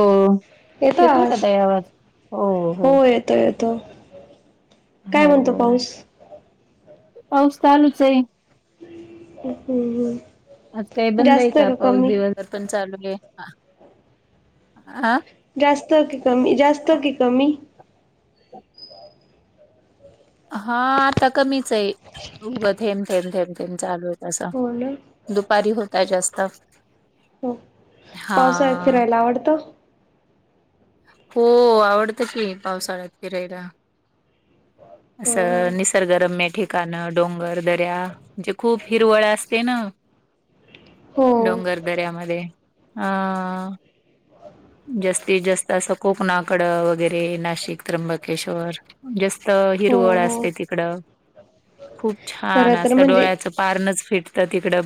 हो येतोय आवाज, हो येतोय. त येतो काय म्हणतो हो पाऊस? पाऊस चालूच आहे. अ हो हो आज काही बंद आहे का पाऊस दिवसर पण चालू आहे. हा जास्त की कमी जास्त की कमी हा आता कमीच आहे उगं थेम थेम थेम थेम चालू आहे तसं हो ना दुपारी होता जास्त हो हा पावसाळ्यात फिरायला आवडतं. हो आवडतं की पावसाळ्यात फिरायला. हो असं निसर्गरम्य ठीक कानं, डोंगर, दर्या म्हणजे खूप हिरवळ असते ना, हो डोंगर. दऱ्यामध्ये अ जास्तीत जास्त तसं कोकणाकडं वगैरे नाशिक, त्र्यंबकेश्वर जस्त हो हिरवळ हो असते तिकड खूप छान खरं तर असत म्हणजे डोळ्याचं पारनच फिटत तिकडं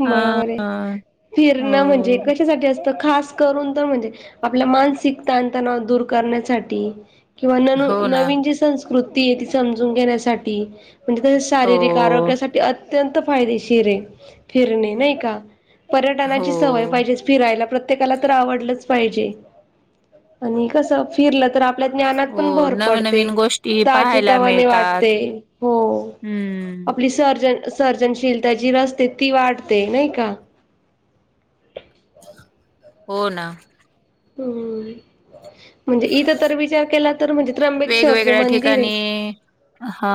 बरोबर आहे. हा फिरण म्हणजे हो कशासाठी असतं खास करुन तर म्हणजे आप मानसिक ताण तणाव दूर करण्यासाठी किंवा न हो ना नवीन जी संस्कृती आहे ती समजून घेण्यासाठी म्हणजे त्या हो शारीरिक आरोग्यासाठी अत्यंत फायदेशीर आहे फिरणे नाही का हो पर्यटनाची सवय पाहिजे. फिरायला प्रत्येकाला तर आवडलच पाहिजे, आणि कसं फिरलं तर आपल्या ज्ञानात हो पण भर नवीन पडते, नवीन गोष्टी ताजे पाहायला तवाने मिळतात वाटते हो हम्म आपली सर्जन सर्जनशीलता जी असते ती वाढते नाही का, हो ना, हम. म्हणजे इथं तर विचार केला तर म्हणजे त्र्यंबकेश्वर जे वेगवेगळ्या मंदिर आहे. ठिकाणी हा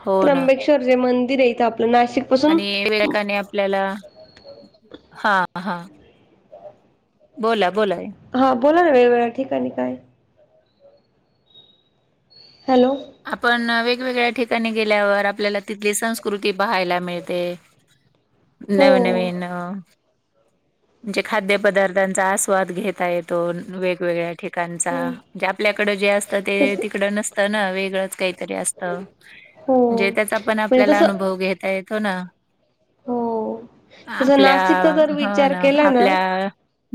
हो ना, ते मंदिर इथं आपलं, नाशिक पासून आणि [unintelligible] आणि आपल्याला, हा हा. बोला-बोला. हा बोला ना वेगवेगळ्या ठिकाणी काय? हॅलो? आपण वेगवेगळ्या ठिकाणी गेल्यावर, आपल्याला तिथली संस्कृती पाहायला मिळते. [inaudible] नव हो नवीन अ जे खाद्य पदार्थांचां आस्वाद घेता येतो, वेगवेगळ्या ठि काचां आपल्याकडं जे असतं, तस ते तिकडं नसतं ना वेगळंच काही तरी असतं, हो जे त्याचा पण म्हणजे आपल्याला तसं अनुभव घेता येतो ना. हो तसं आपल्या नाशिकचा अ जर हो विचार ना, केला आपल्या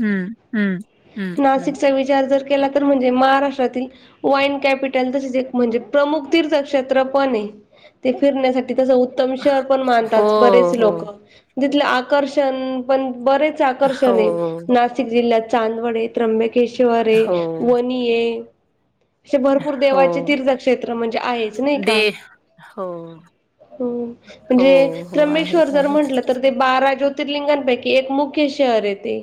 हम्म हम्म. हम्म हम्म नाशिकचा विचार जर केला तर, म्हणजे महाराष्ट्रातील वाईन कॅपि टल तशीच एक म्हणजे प्रमुख तीर्थक्षेत्र पण ये, ते फिरण्यासाठी त्याचा उत् तम शहर पण हो मानतात, बरेचसे हो लोकं तिथले आकर्षण पण बरेच आकर्षणये, हो नाशिक जिल्ह्यात चांदवड ये त्र्यंबकेशवरये, हो वनीये अशे भरपूर हो. देवाचे तीर्थक्षेत्र म्हणजे आहेच नाही दे का? हो ह्म हो म्हणजे हो त्र्यंबेश्वर आहेत जर आहेत म्हंटलं तर ते बारा ज्योतिर्लिंगां पैकी एक मुख्य शहरये ते,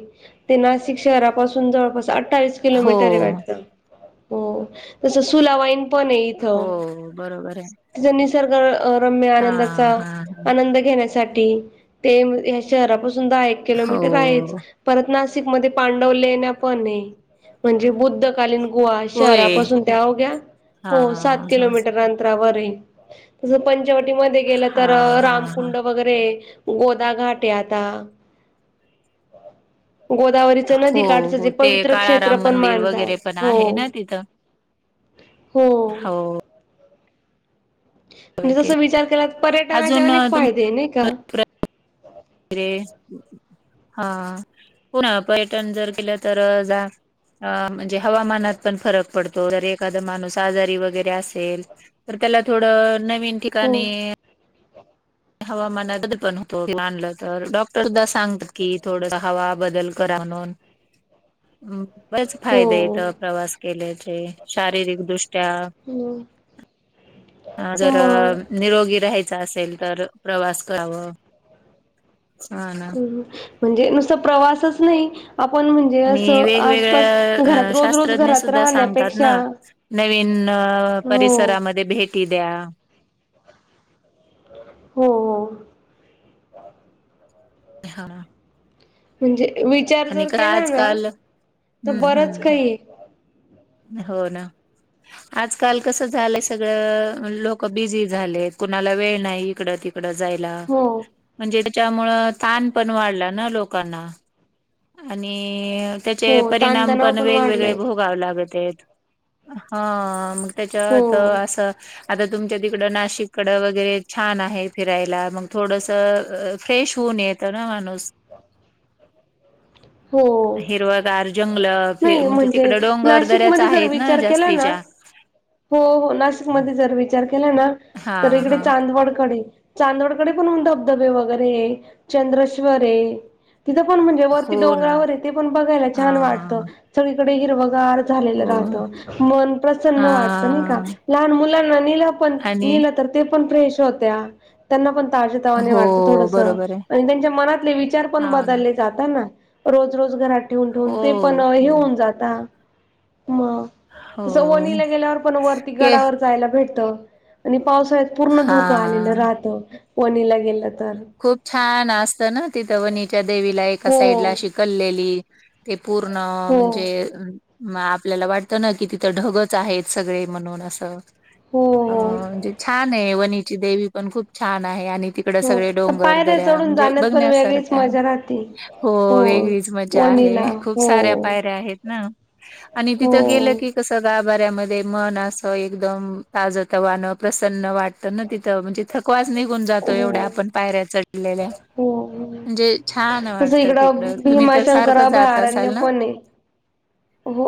ते नाशिक शहरापासून जवळपास अठ्ठावीस किलोमीटरे हो. वाटतं, जसं सुला वाईन पने हो इथं, बरोबर आहे जस निसर्ग अ रम्य हा आनंदाचा हा आनंद घेण्यासाठी, ते या शहरापासून दहा- एक हो किलोमिटर आहेच, परत नासिक मध्ये पांडव लेण पणये, म्हणजे बुद्धकालीन गुहा, होय शहरापासून त्या अवघ्या हा हो सात हा किलोमीटर अंतरावरये. जअ पंचवटीमध्ये गेलं हा तर, हा हा रामकुंड वैगरे, गोदा घाट ये आता, गोदावरी च हो नदी काटचं जे हो ते पवित्र क्षेत्र काळाराम पण मंदिर मानतात, वगैरे पण हो. आहे ना तिथं हो. ते जसं विचार केला त पर्यटनाचे अजून अनेक तुम फायदे ये नही का? रे, हा पुन्हा पर्यटन जर केलं तर जा अ म्हणजे हवामानात पण फरक पडतो, जर एखादा माणूस आजारी वगैरे असेल. तर त्याला थोडं नवीन ठि- हो काणी हवामानात [unintelligible] बदल‌ होतो. तर डॉक्टर सुध्दा सांगतात कि, थोडं हवा बदल करा म्हणून. बरेच फायदे हो यत अ प्रवास केल्याचे, शारीरिक दृष्ट्या ह्म. अ जर निरोगी राहायचं असेल तर, प्रवास करावं ह ना. म्हणजे नुस्त प्रवासच नही, आपण म्ह णजे आणि असं, आसपास घरात वेगवेगळ्या रोज-रोज शास्त्रज्ञ घरात सुद्धा सांगतात राहण्यापेक्षा ना नवीन अ हो परिसरामध्ये भेटी द्या. हो. हा. म्हणजे विचार आणि जर का केला ना आजकाल तर हम्म बरंच हम्म कायी. हो ना. आजकाल कसं झालंय सगळं लोक बिझी झाले कुणाला वेळ नाही इकडं ति''--'' इकडं जायला. हो म्हणजे त्याच्यामुळं ताण पण वाढला ना लोकांना आणि. तेचे हो परिणाम ताणतणाव पण वेगवेगळे वाढलाय भोगावे लागत. तेच हां म हो तेच्यात असं. आता तुमच्या तिकडं नाशिककडं वगैरे छान आहे फिरायला मग थोडंसं फ्रेश होऊन येत. तना माणूस. [inaudible] वां तसचं करून घेत हिरवंगार जंगल. फि नाही म्हणजे तिकड डोंगर दऱ्याच नाशिकमध्ये जर आहेत ना विचार केला ना. जास्तीच्या हो हो नाशिकमध्ये जर विचार केला ना हा तर इकडे हा चांदवडकडे. चांदवडकडे पणहुन धबधबे वगैरे ये चंद्रेश्वर ये. तिथं पण म्हणजे वरती हो ना डोंगरावर आहे ते पण बघायला हा छान वाटत. सगळीकडे हिरवगार झालेलं हो राहत मन प्रसन्न हा वाटतं नाही का. लहान मुलांना नेलं पण आणि नेलं तर ते पण फ्रेश होतयां. त्यांना पण ताजे तवाने वाटतं हो थोडसं बरोबर आहे. आणि त्यांच्या मनातले विचार पण हाव ना बदालेत. जाता ना रोज रोज घरात ठेवून हो ठेवून ते पण हे हो होऊन जातात. मगतसं हो वनीला गेल्यावर पण वरती के गडावर. जायला भेटतं आणि पावसाळ्यात पूर्ण धुकं हा आलेलं राहतं वणीला गेलात. खूप छान असतं ना तिथं वनीच्या देवीला एका हो साईडला अशी कललेली. ते पूर्ण हो म्हणजे अ''--'' मं आपल्याला वाटतं ना कि तिथं ढगच आहेत सगळे म्हणून असं. हो अ म्हणजे छान आहे वणीची देवी पण खूप छान आहे आणि तिकडं. हो सगळे हो डोंगर पायऱ्या दऱ्या चढून म्हणजे जाण्यात पण वेगळीच बघण्यासारखं आहे मजा राहते. हो वेगळीच मजा. माझ्या च्या आहे वणीला खुप हो साऱ्या पायऱ्या आहेत ना आणि हो तिथं गेलं की कसं स गा''--'' वाऱ्या मध्ये मन असं एकदम ताज तवाणं प्रसन्न वाटतं ना तिथं म्हणजे. थकवास निघून जातो एवढ्या हो. आपण पायऱ्या चढलेल्या. हो म्हणजे छान कस वाटतं इकडं तिकडं तुम्ही तर भीमाशंकर सारखं जात अभयारण्य असाल ना? पण ये. हो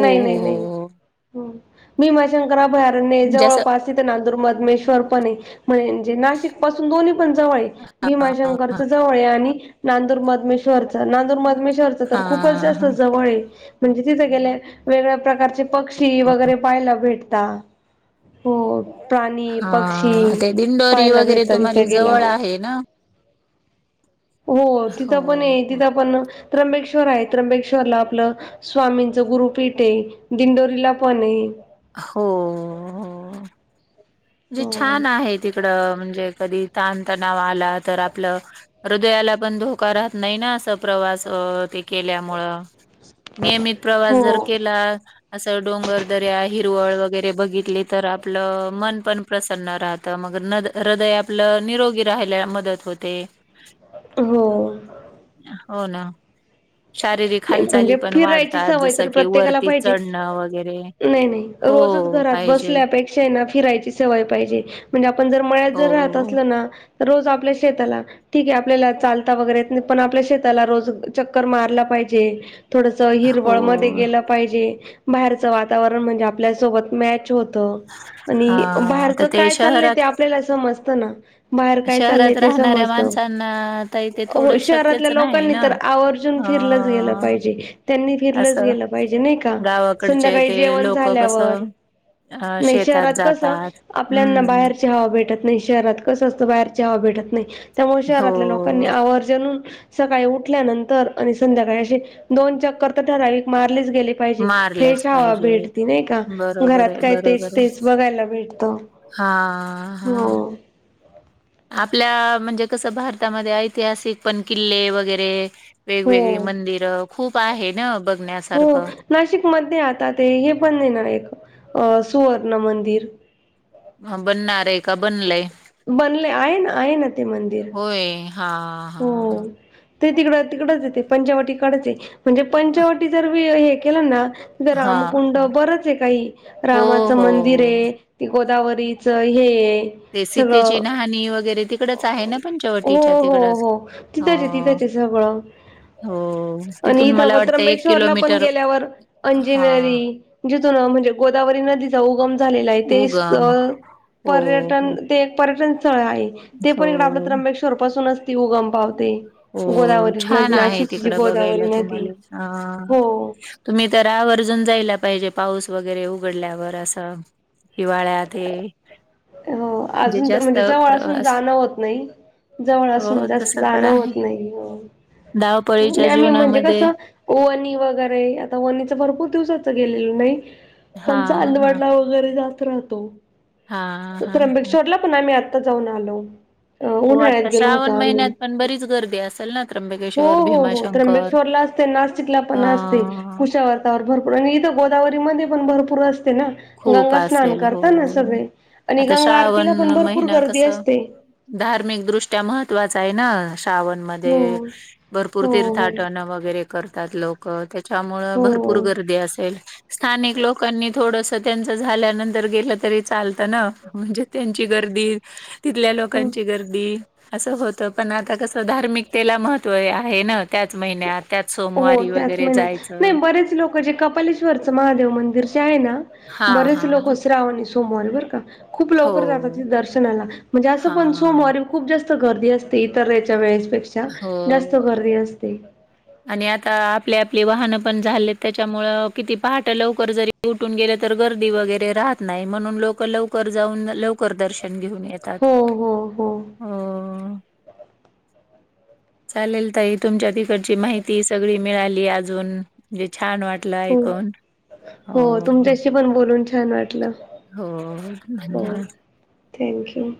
नाही नाही हो नाही हो हो भीमा शंकर अभयआरण्य म्हणजे असं जवळपास. तिथं नांदूर मधमेश्वरपणये नाशिक पासून दोन्ही पण जवळयं हाय. हा भीमाशंकरच जवळ हाय आणि. नांदूर मधमेश्वरच नांदूर मधमेश्वरच तर खूपच जास्त हा जवळये. म्हणजे तिथं गेलं वेगवेगळ्या प्रकारचे पक्षी वगैरे पाहायला भेटतां. हो प्राणी पक्षी हा ते दिंडोरी पाहायला वगैरे भेटतात तुम्हाला इथे जवळ गेल्यावर. आहे ना? हो तिथं पण ये हो हो तिथं पण त्र्यंबेश्वर आहे त्र्यंबेश्वरला आपलं. स्वामींचं गुरुपीठ ये दिंडोरीला पण ये. हो, जे हो. छान आहे तिकडं म्हणजे कधी ताण तणाव आला तर आपलं. हृदयाला पण धोका राहत नाही ना असं प्रवास अ ते केल्यामुळं. नियमित प्रवास जर हो. केला. असं डोंगरदऱ्या हिरवळ वगैरे बघितली तर आपलं मन. पण प्रसन राहतं मग नद हृदय आपलं निरोगी राहायला मदत होते. हो हो ना. शारीरिक नाही हालचाली म्हणजे पण फिरायची वाढतात सवय जसं तर की प्रत्येकाला वरती पाहिजे. चढणं वगैरे. नाही नाही, हो रोजच घरात पाहिजे बसल्यापेक शा हाय ना फिरायची सवय पाहिजे, म्हणजे आपण जर मळ्यात हो जर राहत असलं ना रोज आपल्या शेताला, ठीक आहे आपल्याला चालता वगैरेे येत नाही पण आपल्या शेताला रोज चक्कर मारला पाहिजे, थोडसं हो हिरवळ मध्ये गेलं पाहिजे, बाहेरचं वातावरण म्हणजे आपल्यासोबत मॅच होत त हा आणि आता बाहेरचं ते काय चाललंय ते शहरात आपल्याला समजत ना. बाहेर काय चाललंय शहरात ते राहणाऱ्या समजतं. माणसांना तर ते हो थोडं शहरातल्या शक्यच नाही लोकांनी ना तर आवर्जून फिरलंच गेलं अ पाहिजे, त्यांनी फिरलंच असं गेलं पाहिजे नाही का? गावाकडचे संध्याकाळी ते जेवण लोक कसं झाल्यावर, अ नाही शेतात शहरात कसं जातात. आपल्यांना हम्म बाहेर ची हवा भेटत नाही, शहरात कसं असतं बाहेरची हवा भेटत नाही. त्यामुळे हो शहरातल्या लोकांनी आवर्जुन सकाळी उठल्यानंतर आणि संध्याकाळी अशी दोन चक्कर तर ठरावीक मारलीच गेले पाहिजे, मारल्याच फ्रेश हवा पाहिजेत. भेटती नाही का? बरोबर घरात आहे काय तेच बरोबर आहे तेच बघायला भेटतं. हा हा. आपल्या म्हणजे कसं भारतामध्ये ऐतिहासिक पण किल्ले वगैरे वेगवेगळी हो. मंदिरं खूप आहे ना बघण्या हो, नाशिकमध्ये आता ते हे पण नाही ना एक अ सुवर्ण मंदिर. ह बनणारय का बनलंय? बनलय, आहे ना आहे ना ते मंदिर. होय हा. हा हा. हो, ते तिकडं तिकडचं आहे ते पंचवटीकडच आहे म्हणजे पंचवटी तर बी हे केलं ना तिथे हा रामकुंड बरच आहे काही, हो रामाचं हो हो. मंदिरए. ते गोदावरीचं हे ये ते सीतेची नहाणी वगैरे तिकड च आहे ना हो पंचवटीच्या हो तिकडच? हो तिथंच हो. आहे तिथंच आहे सगळं हो, आणि तिथून मला इथं वाटतंय एक त्र्यंबकेश्वरला पण किलोमीटर गेल्यावर हा अंजिनेरी जिथून अ म्हणजे गोदावरी नदी च उगम झालेला आहे ते उगम स्थळ हो हो पर्यटन ते एक पर्यटन स्थळ आहे. ते पण इकडं आपलं हो त्र्यंबकेश्वर पासूनच ती उगम पावते. हो गोदावरी नदी छान आहे नाशिकची जी तिकडं गोदावरी बघायला नदी तुम्हाला हा. हो तुम्ही तर आवर्जून जायला पाहिजे पाऊस वगैरे उघडल्यावर असं. हिवाळ्यात हे. हो, अजून तर जास्त म्हणजे जवळ असून प्रवास जाणं होत नाही, जवळ असून हो जास तस तर जाणं आहे होत नाही हो, नाय धावपळीच्या आणि म्हणजे जीवनामध्ये कसं वनी वगैरे आता वनीचं भरपूर दिवसाचं गेलेलो नाही. हा पण हा चांदवडला वगैरे जात राहतो. हा त हा हा त्र्यंबकेश्वरला पण आम्ही आत्ता जाऊन आलो. अ हो उन्हाळ्यात आता गेलो होतो श्रावण आम्ही, महिन्यात पण बरीच गर्दी असेल ना हो त्र्यंबकेश्वर हो हो भीमाशंकर त्र्यंबकेश्वरला आस ते नाशिकला पण असते, अ कुशावार्तावर भरपूर आणि इथं गोदावरीमध्ये पण भरपूर असते ना. खूप गंगा स्नान असेल करताना हो सगळे, आणि आता गंगा श्रावण आरतीला पण भरपूर महिना गर्दी कसं असते. धार्मिकदृष्ट्या महत्त्वाचा आहे ना श्रावण हो मध्ये भरपूर तीर्थ हो आटन वगैरे करतात लोक. क त्याच्यामुळं हो भरपूर गर्दी असेल, स्थानिक लोकांनी थोडसं त्यांच झाल्यानंतर गेलं तरी चालतं ना म्हणजे त्यांची गर्दी तिथल्या हो. लोकांची गर्दी असं होतं पण आता कसं धार्मिकतेला महत्व य आहे ना त्याच महिन्यात त्याच हो सोमवारी त्याच वगैरे महिन्यात नाही जायचं बरेच लोक जे कपल अशे त्वरच महादेव मंदिर जे आहे ना हा बरेच हा लोकं श्रावणी सोमवारी बर का खूप हो लवकर जातात तिथं दर्शनाला म्हणजे असं हा पण सोमवारी खूप जास्त गर्दी असते. ते तर याच्या वेळेसपेक्षा जास्त हो गर्दी असते. आणि आता आपली आपली वाहनं पण झालेत त्याच्यामुळं किती पहाट लवकर जरी उठून गेले तर गर्दी वगैरे राहत नाही म्हणून लोक लवकर जाऊन लवकर दर्शन घेऊन. येतात. हो हो हो हो चालेल तई तुमच्या तिकड. ची माहिती सगळी मिळाली अजून म्हणजे छान वाट ला हो ऐकून हो पण बोलून छान वाटलं हो, हो धन्यवाद. Thank you